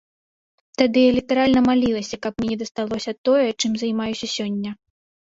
Тады я літаральна малілася, каб мне не дасталася тое, чым займаюся сёння.